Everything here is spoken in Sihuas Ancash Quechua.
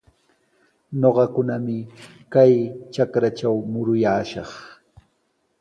Ñuqakunami kay trakratraw muruyaashaq.